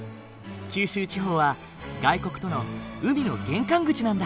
九州地方は外国との海の玄関口なんだ。